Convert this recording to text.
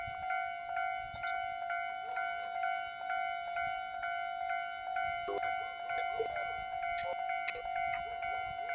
Sehemu ya haja kubwa kutoa sauti hewa inapoingia na kutoka ni dalili za ugonjwa